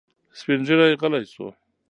سپین ږیری غلی شو.